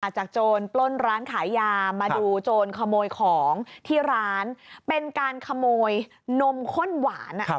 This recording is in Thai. จากโจรปล้นร้านขายยามาดูโจรขโมยของที่ร้านเป็นการขโมยนมข้นหวาน